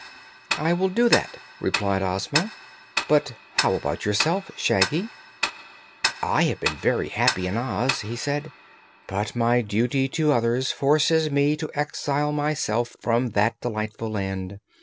"I will do that," replied Ozma. "But how about yourself, Shaggy?" "I have been very happy in Oz," he said, "but my duty to others forces me to exile myself from that delightful land.